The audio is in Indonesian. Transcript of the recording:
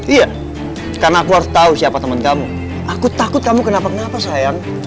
iya karena aku harus tahu siapa teman kamu aku takut kamu kenapa kenapa sayang